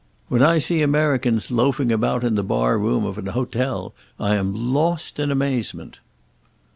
When I see Americans loafing about in the bar room of an hotel, I am lost in amazement."